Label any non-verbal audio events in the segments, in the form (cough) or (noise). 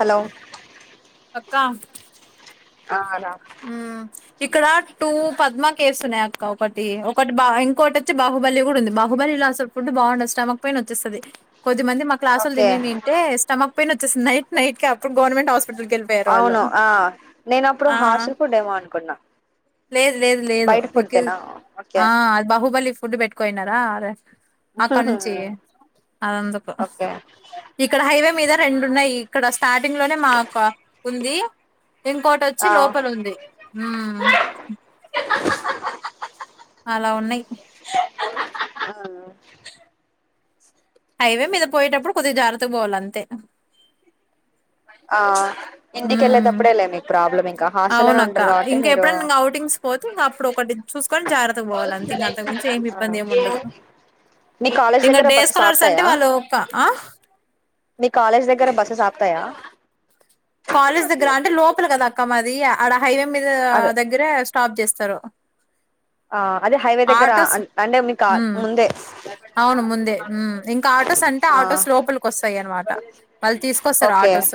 Hello అక్క ఆ లా మ్మ్ ఇక్కడ టూ పద్మ కేవ్స్ ఉన్నాయి అక్క ఒకటి ఒకటి బా ఇంకోటి వచ్చి బాహుబలి కూడా ఉంది బాహుబలి లా అసలు ఫుడ్ బాగుండదు స్టమక్ పెయిన్ వచ్చేస్తది కొద్ది మంది మా క్లాసులు ఓకే తినండింటే స్టమక్ పెయిన్ వచ్చేసి నైట్ నైట్ కే అప్పుడు గవర్నమెంట్ హాస్ట అవును ఆ నేను అప్పుడు ఆ హాస్టల్ ఫుడ్ డెమో అనుకున్నా లేదు లేదు లేదు బయట ఫుడ్ విక్కీ తినా ఓకే ఆ బాహుబలి ఫుడ్ పెట్టుకోయినారా అక్కడ నుంచి అందుకు ఓకే ఇక్కడ హైవే మీద రెండు ఉన్నాయి ఇక్కడ స్టార్టింగ్ లోనే మాకు ఉంది ఇంకోటిచ్చి ఆ లోపల ఉంది (inaudible) అలా ఉన్నాయి (inaudible) ఆ హైవే మీద పోయేటప్పుడు కొద్దిగా జాగ్రత్తగా పోవాలి అంతే ఆ హ్మ్ ఇంటికెళ్ళేటప్పుడే లే మీకు ప్రాబ్లమ్ ఇంకా హాస్ల్లోనే అవునక్క ఉంటారు కాబట్టి మీరు టి చూసుకొని జాగ్రత్తగా పోవాలి అంతే ఇంకా అంతకు మించి ఏమి ఆ ఇబ్బంది ఏమి ఉండదు మీ కాలేజ్ ఇంకా దగ్గర డే బస్సెస్ స్కాలర్స్ అంటే ఆపుతాయా వాళ్ళు ఒక ఆ మీ కాలేజీ దగర బస్స్ ఆపుతాయా కాలేజ్ దగ్గర అంటే లోపల కదా అక్క మాది అడ హైవే మీద అదే దగ్గరే స్టాప్ చేస్తారు ఆ అదే హైవే దగ్గర ఆటోస్ అంటే మీకు హ్మ్ ముందే అవును ముందే ఇంకా ఆటోస్ అంటే ఆ ఆటోస్ లోపలికి వస్తాయి అనమాట వాళ్ళు తీసుకొస్తారు ఓకే ఆటోస్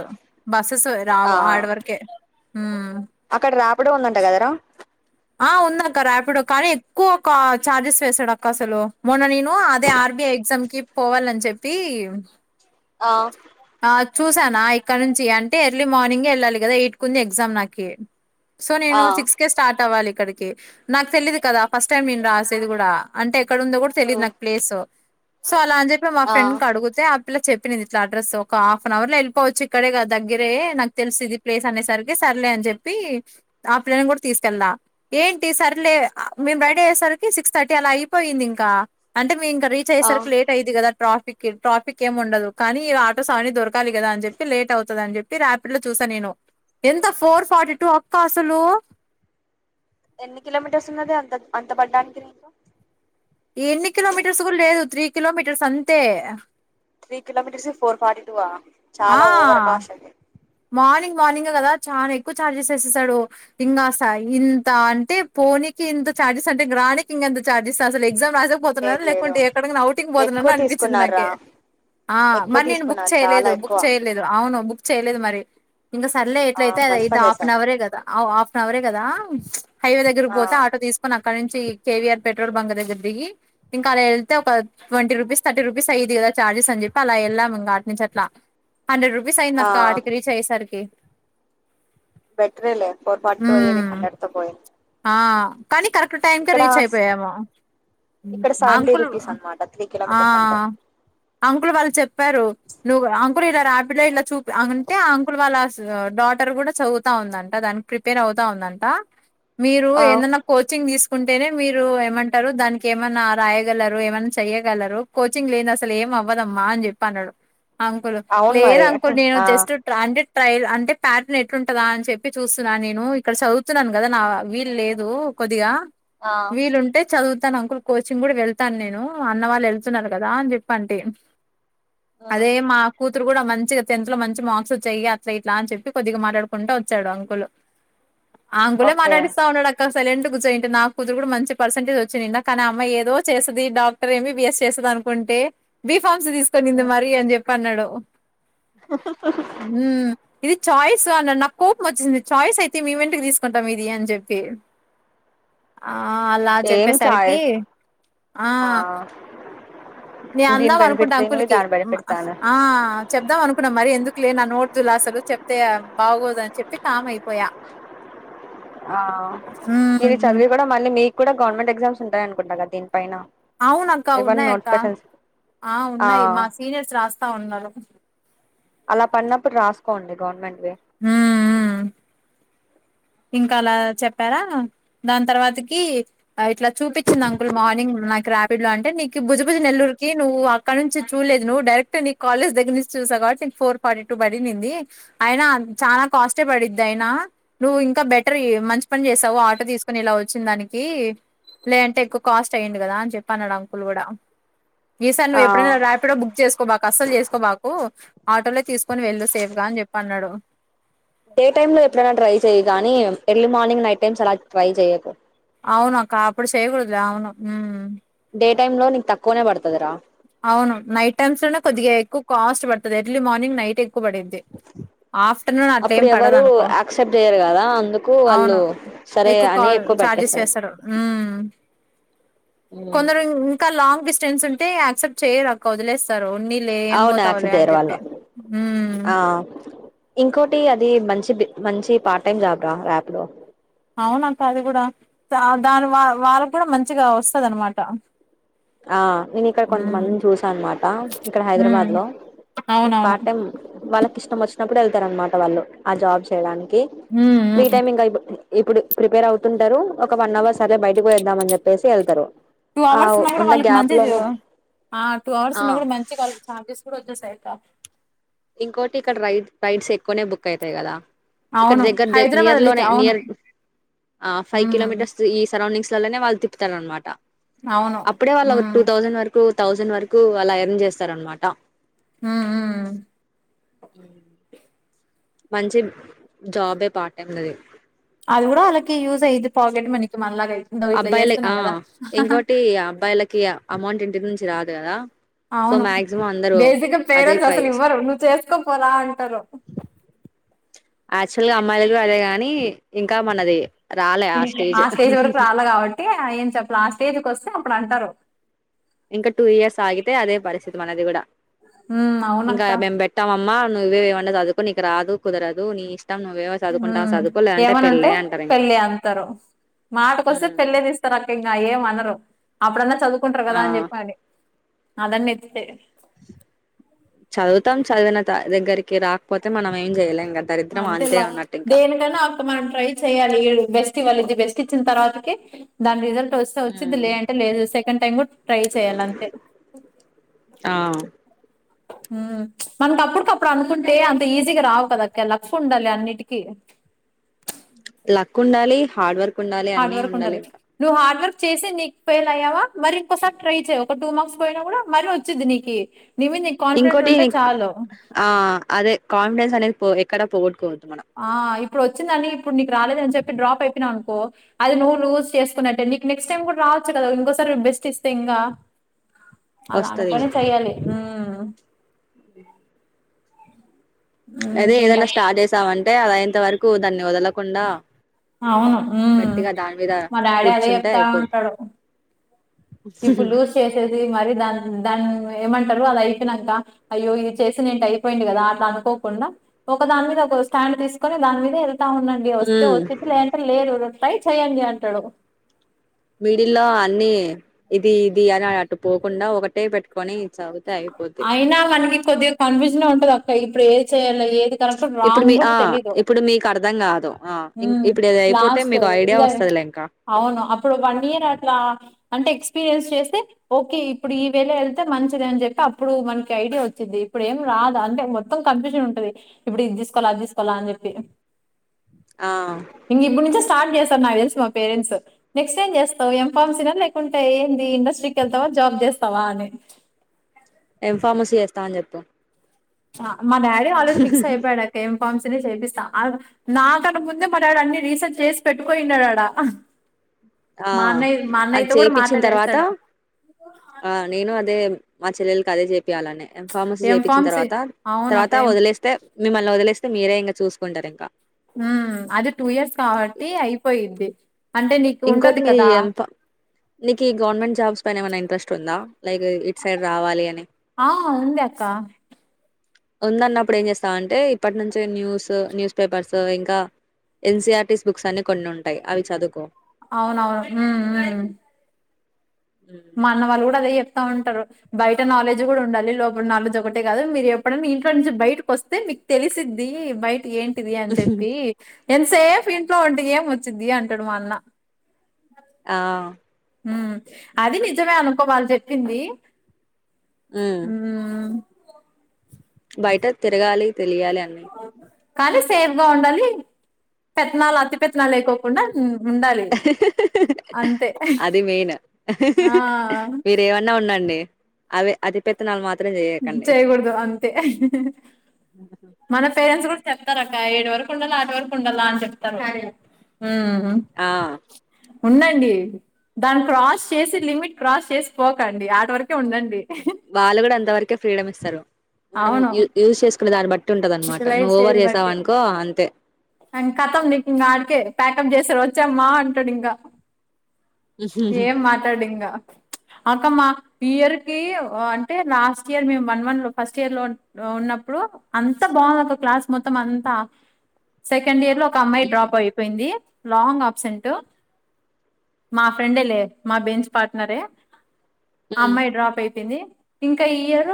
బస్సెస్ ఆ రావు ఆడ వరకే హా అక్కడ రాపిడోల్లు అంట కదరా ఆ ఉంద అక్క రాపిడ కానీ ఎక్కువ ఒక చార్జెస్ వేసాడు అక్క అసలు మొన్న నను అదే ఆర్బిఐ ఎగ్జామ్ కి పోవాలని చెప్పి ఆ ఆ చూసాను ఆ ఇక్కడ నుంచి అంటే ఎర్లీ మార్నింగే ఎళ్ళాలి కదా ఎటుట్ కుంది ఎగ్జామ్ నాకి సో నేను ఆ సిక్స్ కేే స్టార్ట్ అవ్వాలి ఇక్కడి కి నాకు తెలీదు కదా ఫస్ట్ టైం నేను రాసేది కూడా అంటే క్కడుందో కూడా తెలియదు నాకు ప్లేస్ సో అలా అని చెప్పి మా ఆ ఫ్రెండ్ కడుగుతే ఆ పిల్ల చెప్పినిది ఇట్లా అడ్రస్సు ఒక హాఫ్ నవర్ లో వెళ్ళిపోవచ్చు ఇక్కడే దగ్గరే నాకు తెలుసు ఇది ప్లేస్ అనేసరికి సర్లే అని చెప్పి ఆ పిల్లను కూడా తీసుకెళ్దా ఏంటి సర్లే మేము రెడీ అయ్యేసరికి సిక్స్ థర్టీ అలా అయిపోయింది ఇంకా అంటే మీ ఇంకా రీచ్ ఆ అయ్యేసరికి లేట్ అయిద్ది కదా ట్రాఫిక్ ట్రాఫిక్ ఏం ఉండదు కానీ (unintelligible) దొరకాలి కదా అని చెప్పి లేట్ అవుతది అని చెప్పి ర్యాపిడ్ లో చూసా నేను ఎంత ఫోర్ ఫార్టీ టూ అక్క అసలు ఎన్ని కిలోమీటర్స్ ఉన్నదే అంత అంత పడ్డానికి నీకు ఎన్ని కిలోమీటర్స్ కూడా లేదు త్రీ కిలోమీటర్స్ అంతే త్రీ కిలోమీటర్స్ కి ఫోర్ ఫార్టీ టూ ఆ ఆ చాలా ఓవర్ కాస్ట్ అది మార్నింగ్ మార్నింగే కదా చానా ఎక్కువ ఛార్జెస్ ఏసేస్తాడు ఇంకాసాయ్ ఇంత అంటే పోనీ కి ఇంత చార్జెస్ అంటే గ్రానీకి ఇంగెంత చార్జెస్ అసలు ఎగ్సామ్ రాసేకి పోతున్నారా లేదు లేదు లేకుంటే ఎక్కడికన్నా ఔటింగ్ ఎక్కువ పోతున్నానా అనిపిచ్చింది తీసుకున్నారా నాకి ఆ ఎక్కువ మరి నేను బుక్ తీసుకున్నారు చాలా చెయ్యలేదు బుక్ ఎక్కువ చెయ్యలేదు అవును బుక్ చెయ్యలేదు మరి ఇంక సర్లే ఆ ఎట్లయితే అది మంచి అయిద్ది పని హాఫ్ చేసావ్ నవరే కదా ఔ హాఫ్ నవరే కదా హైవే దగ్గరకు ఆ పో పోతే ఆటో తీసుకోన అక్కడ నుంచి K V R petrol bunk దగ్గర దిగి ఇంక అలా వెళ్తే ఒక ట్వంటీ రూపీస్ థర్టీ రూపీస్ అయిద్ది గదా చార్జెస్ అని చెప్పి అలా ఎళ్ళాం ఇంగ ఆడ నుంచి అట్లా హండ్రెడ్ రూపీస్ ఆ అయ్యిందక్కా ఆటి స్సరికి బెటరే లే ఫోర్ ఫార్టీ టూ అయ్యేది ఉమ్ హండ్రెడ్ తో పోయి ఆ కానీ కరెక్ట్ టైంకి రీచ్ అయిపోయాము ఇక్కడ సెవెంటీ అంకుల్ రూపీస్ అనమాట త్రీ ఆ కిలోమీటర్స్ అంటే అంకుల్ వాళ్ళు చెప్పారు నువ్వు అంకుల్ ఈడ రాపిడ్ లా ఇలా చూపి అంటే అంకుల్ వాళ్ళ డాటర్ కూడా చదువుతా ఉందంట దానికి ప్రిపేర్ అవుతా ఉంద అంట మీరు ఆ ఏందన్నా కోచింగ్ తీస్ కుంటేనే మీరు ఏమంటారు దానికి ఏమన్నా రాయగలరు ఏమన్నా చెయ్యగలరు కోచింగ్ లేనిది అసలు ఏం అవ్వదమ్మా అని చెప్పి అన్నాడు అంకులు అవును లేదు మరి అంకుల్ నేను ఆ జస్ట్ అంటే ట్రై అంటే ప్యాటర్న్ ఎట్లుంటదా అని చెప్పి చూస్తున్నాను నేను ఇక్కడ చదువుతున్నాను కదా నా వీలు లేదు కొద్దిగా ఆ వీలుంటే చదువు తాను అంకుల్ కోచింగ్ కూడా వెళ్తాను నేను అన్న వాళ్ళు ఎళ్తున్నారు కదా అని చెప్పి అంటి అదే ఉమ్ మా కూతు (inaudible) కూడా మంచిగా టెన్త్ లో మంచి మార్క్స్ వచ్చాయి ఇగ అట్లా ఇట్లా అని చెప్పి కొద్దిగా మాట్లాడుకుంటా వచ్చాడు అంకులు అంకులే ఓకే మాట్లాడిస్ సైలెంట్ గుజ్జో నాకు కూతురు కూడా మంచి పర్సెంటేజ్ వచ్చినింద కానీ అమ్మాయి ఏదో చేస్తుది doctor M B B S చేస్తుది అనుకుంటే బి ఫార్మ్ సీ తీసుకునింది మరి అని చెప్పి అన్నాడు మ్మ్ ఇది ఛాయిస్ అన్నాడు నాకు కోపం వచ్చింది ఛాయిస్ అయితే మేం ఏంటికి తీసుకుంటాం ఇది అని చెప్పి తే ఆ ఆ అలా ఏం చెప్పేసరికి చాయిస్ ఆ నే దీని అందాం అనుకుంటా బెనిఫిట్స్ అంకుల్ దీనివి కి దాని బెనిఫిట్స్ దానివి ఆ చెప్దాం అనుకున్నా మరి ఎందుకు లే నా నోట్ బ్దుల్ అసలు చెప్తే బాగోదని చెప్పి కామ్ ఐపోయా ఆ మీరు చదివి కూడా మళ్ళీ మీకు కూడా గవర్నమెంట్ ఎగ్జామ్స్ ఉంటాయనుకుంట కదా దీన్న్ అవున అక్క ఉన్నాయి అక్క ఆ ఉన్నాయి మా సీనియర్స్ రాస్త్ తా ఉన్నారు అలా పడినప్పుడు రాసుకోండి గవర్న్మెంట్ ఊ ఊ ఇంకా అలా చెప్పారా దాని తర్వాతకి ఆ ఇట్లా చూపిచ్చింది అంకుల్ మార్నింగ్ నాకి రా (unintelligible) ఫోర్ ఫార్టీ టూ పడినింది అయినా చాల కాస్టే పడిది అయినా నువ్వు ఇంకా బెటర్ మంచి పని చేసావు ఆటో తీసుకుని ఇలా వచ్చిన దానికి లేదంటే ఎక్కువ కాస్ట్ అయ్యిండు కదా అని చెప్ప అన్నాడు అంకుల్ కూడా ఈసారి ఆ నువ్వు ఎప్పుడైనా రాపిడో బుక్ చేసుకోబాక అస్సలు చేసుకోబాకు ఆటోలే తీసుకొని వెళ్ళు సేఫ్గా అని చెప్పి అన్నాడు డే టైమ్ లో ఎప్పుడైనా ట్రై చెయ్ గానీ ఎర్లీ మార్నింగ్ నైట్ టైమ్స్ అలా ట్రై చెయ్యకు అవును అక్క అప్పుడు చేయకూడదు లే అవును (unintelligible) టైమ్ లో నీకు తక్కువనే పడుతదిరా అవును నైట్ టైమ్స్ లోనే కొద్దిగ ఎక్కువ కాస్ట్ పడుతది ఎర్లీ మార్నింగ్ నైట్ ఎక్కువ పడింది ఆఫ్టర్నూన్ అట్ల అప్పుడు ఏం పడదు ఎవరు అనుకో యాక్సెప్ట్ చేయరు కదా అందుకు వాళ్ళు సరే ఎక్కువ కా అని చార్జెస్ పెట్టేస్తారు వేస్తాడు కొందరు ఇంకా లాంగ్ లాంగ్ డిస్టెన్స్ ఉంటే యాసెప్ట్ చేయరు అక్క వదిలేస్తారు ఏం అవును పోతావలే యాక్సెప్ట్ అని చేయరు చెప్పి వాళ్ళు ఆ ఇంకోటి అది మంచి మంచి పార్ట్ టైమ్ జాబ ర్యాపిడో అవునక అది కూడ దాని వా వాళ్ళకి కూడ మంచిగా వస్తద అనమాట ఆ నేను ఇక్కడ మ్మ్ కొంతమందిని చూస అనమాట ఇక్కడ మ్మ్ హైదరాబాద్ లో అవునవును పాటం వాళ్ళకి ఇష్టం ఒచ్ నప్పుడు వెళ్తారు అనమాట వాళ్ళు ఆ జాబ్ చేయడానికి మ్మ్ ఫ్రీ మ్మ్ టైమ్ ఇంకా ఇప్పుడు ప్రిపేర్ అవుతుంటారు ఒక వన్ అవర్ సరే బయటకు ఒదామని అని చెప్పేసి వెళ్తారు టూ ఆ అవర్స్ ఉన్నా కూడ ఉన్న వాళ్ళకి గ్యాప్ మంచిది లోనే ఆ టూ అవర్స్ ఆ ఉన్నా కూడా మంచి వాళ్ళకి చఛార్జెస్ కూడ వచ్చేసాయి కాఫ ఇంకోటి ఇక్కడ రై రైడ్స్ ఎక్కువనే బుక్ అయితాయి కదా ఇక్కడ అవును దగ్గర హైదరాబాద్ నియర్ లో లోనే అవును నియర్ ఫైవ్ ఉమ్ కిలోమీటర్స్ ఈ సరౌండింగ్స్ లోనే తిప్పుతారనమాట అవును అప్పుడే వాళ్ళు ఒక ఉమ్ టూ థౌసండ్ వరకు థౌసండ్ వరకు అలా యార్న్ చేస్తారు అనమాట ఆ ఆ అ మంచి జాబే పార్ట్ టైమ్ ఉన్నది అది కూడ వాళ్ళకి యూజ్ అయిది పాకెట్ మనకి మనలాగా అంది అబ్బాయిల ఆ ఇంకోటి అబ్బాయిలకి అమౌంట్ ఇంటి నుంచి రాదు కదా సో అవును మ్యాక్సిమమ్ బేసిక్గా పేరెంట్స్ అసలు ఇవ్వరు నువ్వు చేసుకోపోరా అంటరు యాక్చువల్గా అమ్మాయిలలకు అదే గాని ఇంకా మనది రాలే ఆ ఇంకా స్టేజ్ వరకు రాలే కాబట్టి ఏం చెప్పలే ఆ స్టేజ్కి వస్తే అప్పుడు అంటరు ఇంకా టూ ఇయర్స్ ఆగితే అదే పరిస్థితి మనది కూడ హు అవునక్క అమ్మా నువ్వే (unintelligible) చదువుకో నీకు రాదు కుదరదు నీ ఇష్ట హు ఏమన్నా అంటే అంటారు ఇంకా పెళ్ళి అంతరు మాటకొస్తే ఉమ్ పెళ్ళిది ఇస్తారు అక్క ఇంకా ఏ మనరు అప్పుడన్నా చదువుకుంటారు కదా అని ఆ చెప్పి అదన్న ఎత్తితే చదువుతం చదివిన దగ్గరికి రాకపోతే మనం ఏం చెయ్యలే అంతేగ దేనికైన అ మనం ట్రై చెయ్యాలి బెస్ట్ వాల్ ది బెస్ట్ ఇచ్చిన తర్వాతకి దాని రిజల్ వేస్తే వచ్చిది ఉమ్ లే అంటే లేదు సెకండ్ టైమ్ కూడ ట్రై చెయాలంతే ఆ ఉ మనక అప్పుటికప్పుడు అనుకుంటే అంత ఈజీగా రావు కదాక్క లక్ ఉండాలి అన్నిటికిీ లక్ ఉండాలి హార్డ్ వర్ హార్డ్ వర్క్ ఉండది నువ్ హార్డ్ వర్ చేసి నీకు ఫెయిల్ అయ్యావ మరి ఇంకోసారి ట్రై చే ఒక టూ మార్క్స్ పోయినా కూడ మరీ ఒచూది నీకి నీ మీద నీకు కాన్ఫిడెంట్ ఇంకోటి ఉంటే చాలు ఆ అదే కాన్ఫిడెన్స్ అనేది ఎక్కడా పోగొట్టుకోవద్దు మనం ఆ ఇప్పుడు వచ్చిందంని ఇప్పుడు నీకు రాలేద అని చెప్పి డ్రాప్ అయిపోయినావ నుకో అది నువ్వు లూజ్ చేసుకున్నట్టటుే నీకు నెక్స్ట్ టైమ్ కూడా రావచ్చు కదా ఇంకోసారి బెస్ట్ ఇస్తే ఇంకా అలా వస్తది అనుకునే చెయ్యాలి మ్ అదే ఇంకేంట ఏదన్నా స్టార్ట్ చేసామంటే అది అయ్యేంత వరకూ దాన్ని వదలకుండా అవును ఉమ్ గట్టిగా దానిమీద మా డాడీ అదే కూర్చుంటే చెప్తా అయిపోద్ ఉంటాడు ఇప్పుడు లూజ్ చేసేది మరి దా దాన్ని ఏమంటారు అది అయిపోనాక అయ్యో ఇది చేసిన ఏంటి అయిపోయింది కదా అట్లా అనుకోకుండా ఒక దాని మీద ఒకొక స్టాండ్ తీసుకొని దాని మీద అవునండి వస్తే ఉమ్ వచ్చిద్ది లేంటే లేదు ట్రై చెయ్యండి అంటడు మిడిల్లో అన్ని ఇది ఇది అని అటు పోకుండా ఒకటే పెట్టుకొని చదు అయినా మనకి కొద్దిగా కన్ఫ్యూజన్ ఉంటది అక్క ఇప్పుడు ఏం చేయ్యాలి ఇప్పుడు మీ ఆ ఇప్పుడు మీకు అర్ధం కాదు ఆ ఇం హ్మ్ ఇప్పుడు ఇది అయిపోతే లాస్ట్ మీకు ఐడియా ఇది వస్తు వస్తది లే ఇంకా అవును అప్పుడు వన్ ఇయర్ అట్లా అంటే ఎక్స్పీరియన్స్ చేస్తే ఓకే ఇప్పుడు ఈ వేళ ఎళ్తే ఆది మంచిద అని చెప్పి ఇప్పుడు మనకి ఐడియా వచ్చిది ఇప్పుడు ఏం రాదు అంటే మొత్తం కన్ఫ్యూజన్ ఉంటది ఇప్పుడుది తీసుకోవాల అది తీసుకోవాల అని చెప్పి ఆ మ్ ఇంక ఇప్పుడు నుంచే స్టార్ట్ చేస్తారు నాకు తెలుసు మా పేరెంట్స్ నెక్స్ట్ ఏం చేస్తావు ఎం ఫార్మసీ న లేకుంటే ఏంది ఇండస్ట్రీకి ఎళ్తావా జాబ్ చేస్తావా అని ఎంఫార్మసీ చేేస్తా అని చెప్పు ఆ మా డాడీ ఆల్రెడీ ఫిక్స్ అయిపోయాడా కెం ఫార్మసి నె చేపిస్తా ఆల్రడి నాకన్నా ముందే మా డాడీ అన్ని రీసెర్చ్ చేసి పెట్టుకోయినున్నాడాడ (inaudible) ఆ అది చేపిచ్చిన తర్వాత మాట్లాడేస్తాడు ఆ నేను అదే మా చెల్లెలకి అదే చెప్పయాలని యం ఫార్మసీ ఏం చేపిచ్చిన ఫామ్స్ తర్వాత అవును అక్క తర్వాత ఏం వదిలేస్తే మిమ్మల్ని వదిలేస్త స్తె మీరే ఇంకా చూసుకుంటారు ఇంకా ఉమ్ అది టూ ఇయర్స్ కాబట్టి అయిపోయిద్ది అంటే నీకు ఇంకోటి ఉంటది మీరు ఈ కదా యంఫామ్ నీకు ఈ గవర్నమెంట్ జాబ్స్ పైన ఏమైనా ఇంట్రెస్ట్ ఉందా లైక్ ఇటు సైడ్ రావాలి అని ఆ ఉంది అక్క ఉంద అన్నప్పుడు ఏం చేస్తావంటే ఇప్పటి నుంచి న్యూస్ న్యూస్ పేపర్స్ ఇంకా ఇన్సిఆర్టీస్ బుక్స్ అని కొన్ని ఉంటాయి అవి చదువుకో అవునవును మ్.. మ్.. మ్ ఉమ్. మా అన్న వాళ్ళు కూడా అదే చెప్ ఉంటారు బయట నాలెడ్జ్ కూడా ఉండాలి లోపల నాలెడ్జ్ ఒకటే కాదు మీరు ఎప్పుడన్న ఇంట్లో నుంచి బయటకు వస్తే మీ తెలిసిద్ది బయట ఏంటి టిది అని చెప్పి ఎంతసేఫ్ ఇంట్లో ఉం టె ఏం వచ్చిది అంటాడు మాఅన్న ఆ మ్ అది నిజమే అనుకో వాలు చెప్పింది ఉమ్ బయట తిరగాలి తెలియాలి అన్నీ కానీ సేఫ్గా ఉండాలి పెత్తనాలు అతి పెత్తనాలు లేకోకుండా ఉండాలి అంతే (inaudible) అది మెయిన్ ఆ మీరేమన్నా ఉండండి అవి అతి పెత్తనాలు మాత్రం చేయకండి చేయకూడదు అంతే మన పేరెంట్స్ కూడా చెప్తారు అక్క ఏడు వరకు ఉండాల ఆట్ వరకు ఉండాల అని చెప్తారు మ్ ఆ ఉండండి దాన్ని క్రాస్ చేసి లిమిట్ క్రాస్ చేసి పోకండి ఆట్ వరకు వాళ్ళు కూడా అంతవరకే ఫ్రీడమ్ ఇస్తారు మనం యూజ్ చేసుకునే దాన్ని బట్టి ఉంటది అనమాట ఇల నువ్వు ఓవర్ చేది బ చేసావు అనుకో అంతే కతం అకే (unintelligible) టిఫిన్ చేసె వచ్చామ్మా అంటాడు ఇంకా ఏం మాట్లాడు ఇంకా అక్క మా ఇయర్ కి అంటే లాస్ట్ ఇయర్ మేము వన్ వన్ లో ఫస్ట్ ఇయర్ లో ఉ న్నప్పుడు అంత బాగుంది ఒక క్లాస్ మొత్తం అంతా సెకండ్ ఇయర్ లో ఒక అమ్మాయి డ్రాప్ అయిపోయింది లాంగ్ అబ్సెంట్ మా ఫ్రెండే లే మా బెన్స్ పార్ట్నరే ఉమ్ అమ్మాయి డ్రాప్ అయి యింది ఇంకా ఇయర్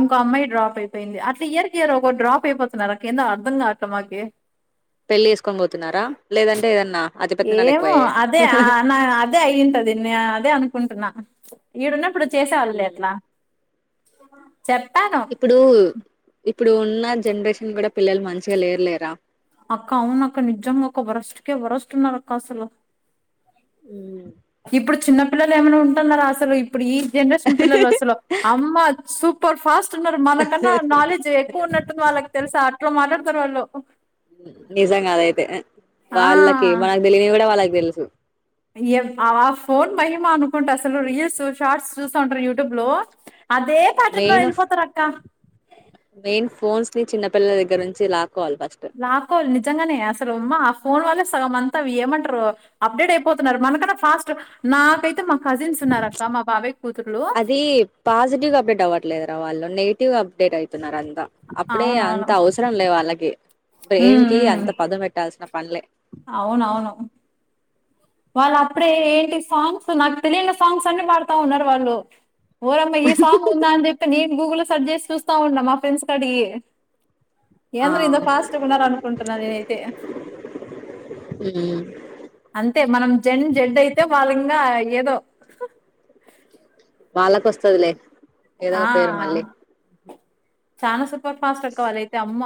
ఇంకో అమ్మాయి డ్రాప్ అయిపోయింది అట్లా ఇయర్ ఒకరు డ్రాప్ అయిపోతున్నారు అర్థంగట్లే మాకి పెళ్లి చేసుకొని పోతున్నారా లేదంటే ఏదన్న ఏమో అదే నా అదే అయ్యుంటుంది అదే అను కుంటున్నా ఈడున్నప్పుడు చేసేవాళ్ళులే అట్లా చెప్పాను ఇప్పుడు ఇప్పుడు ఉన్న జనరేషన్ కూడ పిల్లలు మంచిగా లేరులేరా అక్క అవునక్క నిజంగా ఒక వరెస్ట్ కే వరెస్ట్ ఉన్నారు అక్క అసలు ఉ ఇప్పుడు చిన్న పిల్లలు ఏమైన ఉంటున్నారా అసలు ఇప్పుడు ఇ జెనరేషన్ పిల్లలు అసలు అమ్మ సూపర్ ఫా న్నారు మనకన్నా నాలెడ్జ్ ఎక్కువ ఉన్నట్టుంది వాళ్ళకి తెలుసా అట్ల మాట్లాడుతారు వాళ్ళు నిజంగా అదైతే ఆ వాళ్ళకి మనకు తెలియని కూడ వాళ్ళకి తెలుసు ఆ ఫోన్ మహిమ అనుకుంట అసలు రీల్స్ షార్ట్స్ చూస్త ఉంటారు యూట్యూబ్ లో అదే పాటర్న్ లో మెయిన్ ఎల్లిపోతరక్క పిల్ల దగ్గ నుంచిలా లాకోలి నిజంగానే అసలు ఆమ్మా ఆ ఫోన్ వల్లే సగం అంతా ఏమంటారు అప్డేట్ అయిపోతున్నారు మనకన్నా ఫాస్ట్ నాకైతే కజిన్స్ ఉన్నారు అక్క మా బాబాయ్ కూతుర్లు అది పాజిటివ్ గా అప్డేట్ అవ్వట్లేదురా వాళ్ళు నెగిటివ్ అప్ అప్డేట్ అయీతున్నారు అంతా అప్పుడే అంత అవునవును అవసరం లేవు వాళ్ళకి బ్రెయిన్ ఉమ్ కి ఉమ్ అంత పద పెట్టాల్సిన పన్లే అవునవును వాళ్ళు అప్పుడే ఏంటి సాంగ్స్ నాకు తెలియని సాంగ్స్ అన్ని పాడుతా ఉన్నారు వాళ్ళు ఓయమ్మ ఈ సాంగ్ ఉందా అని చెప్పి నేను గూగుల్లో సెర్చ్ చేసి చూస్తా ఉన్నా మా ఫ్రెండ్స్ కడిగి ఆ ఏంద్ర ఇంత ఫాస్ట్ ఉన్నారు అనుకుంటున్నా నేనైతే హు జం జడ్ అయితే వాలింగ ఏదో వాళ్ళక వస్తుదిలే ఏదో ఒక పేరు మళ్ళీ చాన సూపర్ ఫాస్ట్ అక్క వాళ్ళు అయితే అమ్మ